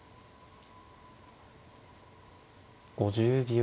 ５０秒。